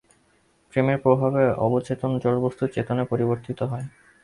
প্রেমের প্রভাবে অচেতন জড়বস্তু চেতনে পরিবর্তিত হয়।